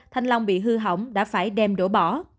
thanh long bị hư hỏng đã phải đem đổ bỏ